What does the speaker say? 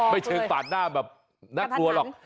ไม่เชิงตาดหน้าแบบนักกลัวหรอก